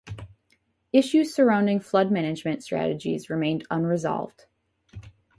Issues surrounding flood management strategies remain unresolved.